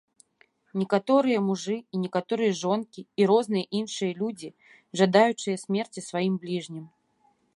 Некаторыя мужы і некаторыя жонкі і розныя іншыя людзі, жадаючыя смерці сваім бліжнім.